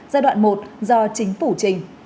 giai đoạn một do chính phủ trình